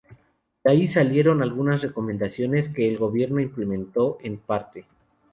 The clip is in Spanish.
De ahí salieron algunas recomendaciones que el gobierno implementó en parte.